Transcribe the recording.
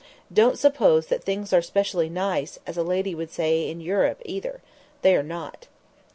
Don't suppose that things are specially 'nice,' as a lady would say, in Europe either. They are not."